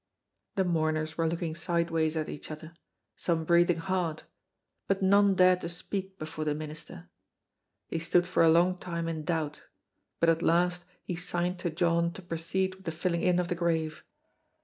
The mourners were looking sideways at each other, some breathing hard, but none dared to speak before the minister. He stood for a long time in doubt, but at last he signed to John to proceed with the filling in of the grave.